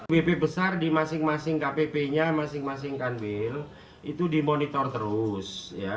wp besar di masing masing kpp nya masing masing kanwil itu dimonitor terus